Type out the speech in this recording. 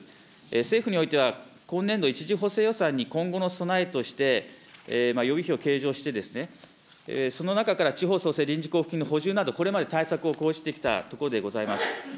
政府においては、今年度１次補正予算に、今後の備えとして、予備費を計上して、その中から地方創生臨時交付金の補充など、これまで対策を講じてきたところでございます。